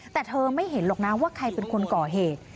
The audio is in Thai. แต่เธอไม่เห็นหรอกนะว่าใครเป็นคนก่อเหตุ